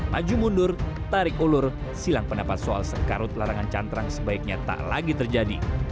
maju mundur tarik ulur silang pendapat soal sekarut larangan cantrang sebaiknya tak lagi terjadi